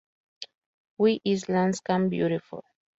Why is Landscape Beautiful?